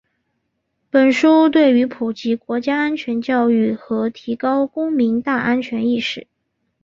本书对于普及国家安全教育和提高公民“大安全”意识